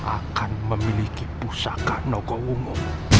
akan memiliki pusaka no gowongu